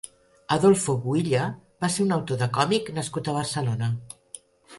Adolfo Buylla va ser un autor de còmic nascut a Barcelona.